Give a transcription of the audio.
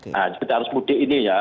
nah seperti arus mudik ini ya